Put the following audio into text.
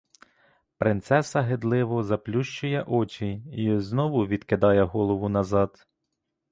Принцеса гидливо заплющує очі й знову відкидає голову назад.